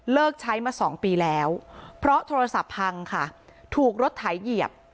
ใช้มาสองปีแล้วเพราะโทรศัพท์พังค่ะถูกรถไถเหยียบ